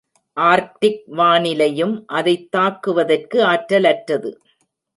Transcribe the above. Arctic வானிலையும் அதைத் தாக்குதற்கு ஆற்றலற்றது.